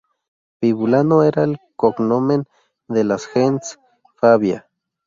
Vibulano era el "cognomen" de la "gens" Fabia.